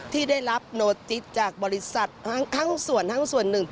ที่ได้รับโนติสจากบริษัททั้งส่วนหนึ่ง